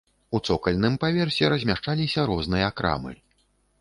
У цокальным паверсе размяшчаліся розныя крамы.